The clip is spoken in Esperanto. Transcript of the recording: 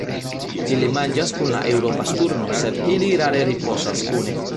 Ili manĝas kun la Eŭropa sturno, sed ili rare ripozas kune.